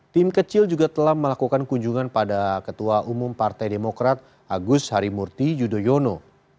tim kecil juga telah melakukan kunjungan pada ketua umum partai demokrat agus harimurti yudhoyono